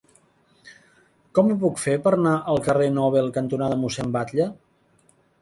Com ho puc fer per anar al carrer Nobel cantonada Mossèn Batlle?